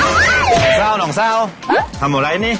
น้องเศร้าน้องเศร้าทำอะไรนี่